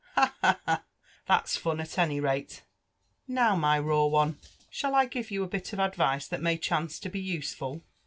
— ha ! ha 1 ha 1 ha I— that's fun, at any rate. Now, my raw one, shall I give you a bit of advice Ibat ipay chance to be useful?